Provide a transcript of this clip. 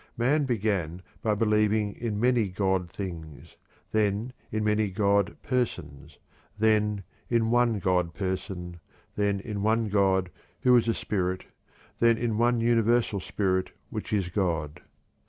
Man began by believing in many god things, then in many god persons, then in a one god person, then in one God who is a spirit, then in One Universal Spirit which is God.